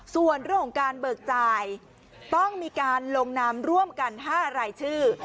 ส่วนเรื่องของการเบิกจ่ายต้องมีการลงนามร่วมกัน๕รายชื่อ